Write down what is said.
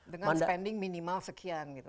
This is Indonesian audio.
dengan spending minimal sekian gitu